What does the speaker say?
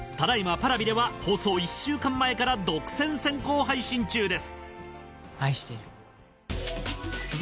Ｐａｒａｖｉで放送１週間前から独占先行配信中です。